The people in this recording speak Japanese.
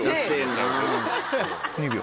２秒。